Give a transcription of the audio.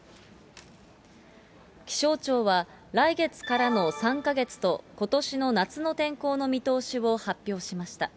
気象庁は、来月からの３か月と、ことしの夏の天候の見通しを発表しました。